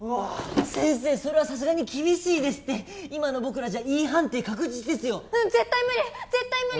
先生それはさすがに厳しいですって今の僕らじゃＥ判定確実ですようん絶対ムリ絶対ムリ！